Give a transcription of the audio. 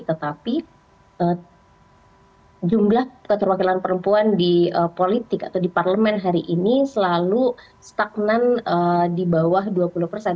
tetapi jumlah keterwakilan perempuan di politik atau di parlemen hari ini selalu stagnan di bawah dua puluh persen